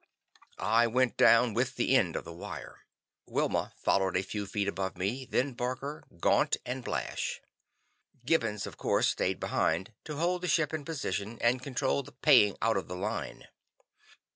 I went down with the end of the wire. Wilma followed a few feet above me, then Barker, Gaunt and Blash. Gibbons, of course, stayed behind to hold the ship in position and control the paying out of the line.